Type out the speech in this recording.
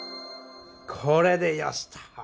これでよしと！